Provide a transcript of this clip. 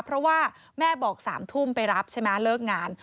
เพราะว่าแม่บอก๓ทุ่มไปรับใช่ไหมเลิกงาน